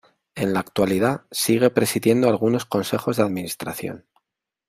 En la actualidad sigue presidiendo algunos consejos de administración.